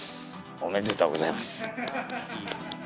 おめでとうございます。